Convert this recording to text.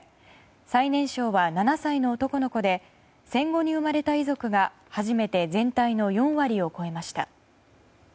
最年少は７歳の男の子で戦後に生まれた遺族が初めて全体の４割を超えました。